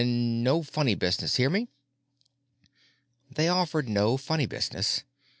And no funny business, hear me?" They offered no funny business.